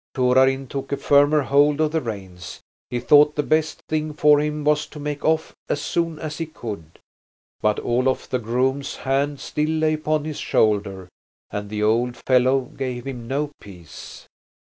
Torarin took a firmer hold of the reins. He thought the best thing for him was to make off as soon as he could. But Olof the groom's hand still lay upon his shoulder, and the old fellow gave him no peace.